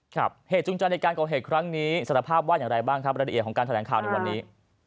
เหตุจูงใจในการก่อเหตุครั้งนี้สารภาพว่าอย่างไรบ้างครับรายละเอียดของการแถลงข่าวในวันนี้